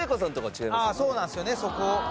そうなんですよねそこ。